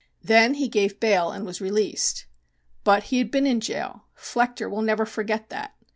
Then he gave bail and was released. But he had been in jail! Flechter will never forget that!